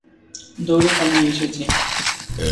দৌড়ে পালিয়ে এসেছি।